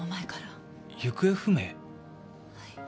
はい。